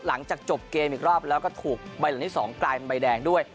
หลังจากจบเกมอีกรอบแล้วก็ถูกใบหลังที่๒กลายเป็นใบแดงด้วย